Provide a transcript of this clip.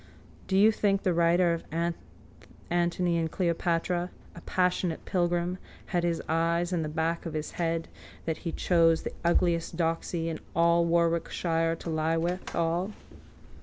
Do you think the writer of Antony and Cleopatra, a passionate pilgrim, had his eyes in the back of his head that he chose the ugliest doxy in all Warwickshire to lie withal?